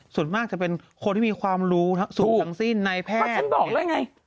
ส่วนใหญ่จะเป็นคนที่มีความรู้สู่ทางสิ้นในแพทย์